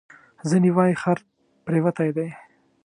ځینې وایي خر پرېوتی دی.